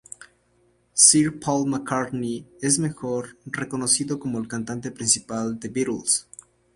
Sir Paul McCartney es mejor reconocido como el cantante principal de The Beatles.